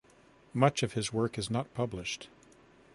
Much of his work is not published.